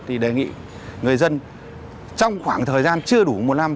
thì đề nghị người dân trong khoảng thời gian chưa đủ một năm